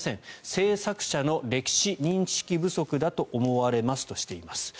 制作者の歴史認識不足だと思われますとしています。